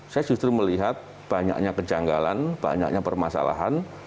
saya justru melihat banyaknya kejanggalan banyaknya permasalahan